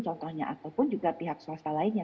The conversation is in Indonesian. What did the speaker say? contohnya ataupun juga pihak swasta lainnya